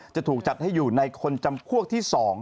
จะถูกจัดให้อยู่ในคนจำพวกที่๒